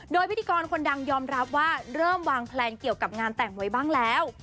โดยพิธีกรคนดังยอมรับว่าเริ่มวางแพลนเกี่ยวกับงานแต่งไว้บ้างแล้ว